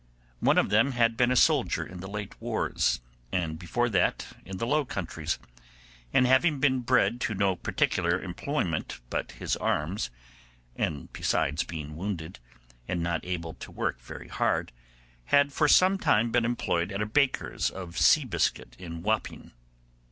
One of them had been a soldier in the late wars, and before that in the Low Countries, and having been bred to no particular employment but his arms, and besides being wounded, and not able to work very hard, had for some time been employed at a baker's of sea biscuit in Wapping.